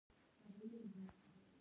د سوځیدو لپاره د الوویرا جیل وکاروئ